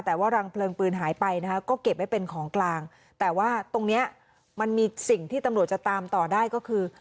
แต่ว่ารังเพลิงปืนหายไปนะคะก็เก็บไว้เป็นของกลางแต่ว่าตรงเนี้ยมันมีสิ่งที่ตำรวจจะตามต่อได้ก็คือ